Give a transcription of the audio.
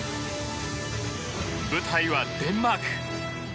舞台はデンマーク。